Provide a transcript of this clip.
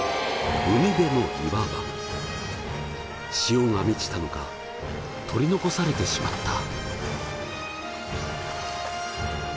潮が満ちたのか取り残されてしまった。